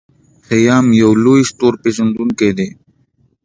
خیام یو لوی ستورپیژندونکی و.